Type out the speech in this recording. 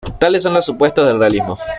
Tales son los supuestos del "realismo".